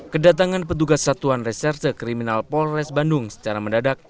kedatangan petugas satuan reserse kriminal polres bandung secara mendadak